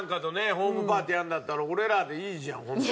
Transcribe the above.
ホームパーティーやるんだったら俺らでいいじゃんホントに。